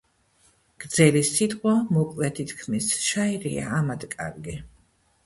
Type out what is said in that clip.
გრძელი სიტყვა მოკლედ ითქმის, შაირია ამად კარგი.